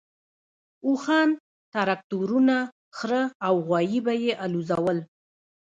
اوښان، تراکتورونه، خره او غوایي به یې الوزول.